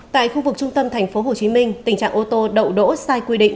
tại khu vực trung tâm tp hcm tình trạng ô tô đậu đỗ sai quy định